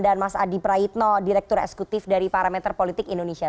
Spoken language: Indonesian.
mas adi praitno direktur eksekutif dari parameter politik indonesia